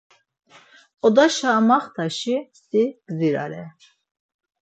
Odaşa amaxtaşi si gdzirare.